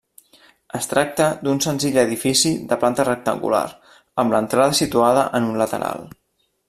Es tracta d'un senzill edifici de planta rectangular, amb l'entrada situada en un lateral.